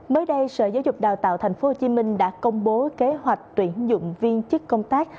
mới đây sở giáo dục đào tạo tp hcm đã công bố kế hoạch tuyển dụng viên chức công tác